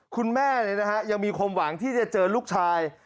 คุณแม่ยังมีความหวังที่จะเจอลูกชาย